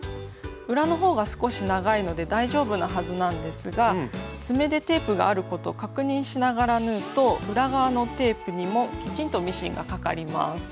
裏の方が少し長いので大丈夫なはずなんですが爪でテープがあることを確認しながら縫うと裏側のテープにもきちんとミシンがかかります。